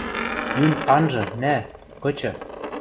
Йӱн анжы, нӓ, кычы.